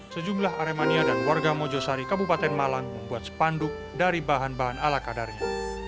sejumlah aremania dan warga mojosari kabupaten malang membuat sepanduk dari bahan bahan ala kadarnya